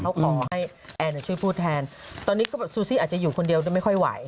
เขาขอให้แอนช่วยพูดแทนตอนนี้ก็แบบซูซี่อาจจะอยู่คนเดียวไม่ค่อยไหว